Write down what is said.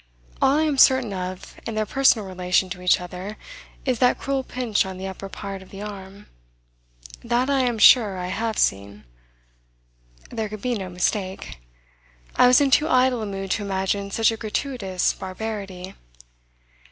All I am certain of in their personal relation to each other is that cruel pinch on the upper part of the arm. That I am sure I have seen! There could be no mistake. I was in too idle a mood to imagine such a gratuitous barbarity.